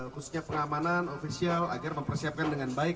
khususnya pengamanan ofisial agar mempersiapkan dengan baik